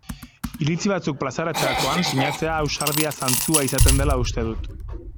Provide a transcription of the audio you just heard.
Iritzi batzuk plazaratzerakoan sinatzea ausardia zantzua izaten dela uste dut.